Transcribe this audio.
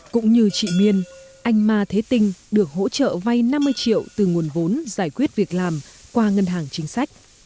cũng như chị miên anh ma thế tinh được hỗ trợ vay năm mươi triệu từ nguồn vốn giải quyết việc làm qua ngân hàng chính sách